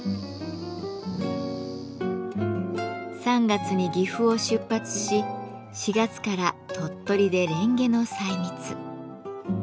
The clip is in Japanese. ３月に岐阜を出発し４月から鳥取でレンゲの採蜜。